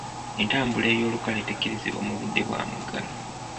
Entambula ey'olukale tekkirizibwa mu budde bwa muggalo.